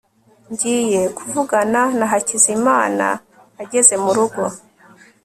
ngiye kuvugana na hakizimana ageze murugo